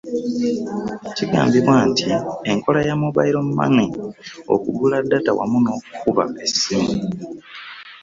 Kigambibwa nti enkola ya Mobile Money, okugula data wamu n'okukuba essimu